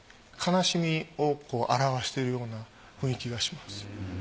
悲しみを表しているような雰囲気がします。